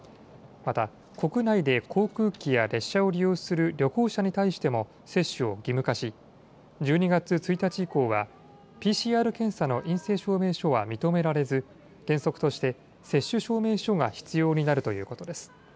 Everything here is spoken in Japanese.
また、国内で航空機や列車を利用する旅行者に対しても接種を義務化し、１２月１日以降はＰＣＲ検査の陰性証明書は認められず原則として接種証明書が必要になるということです。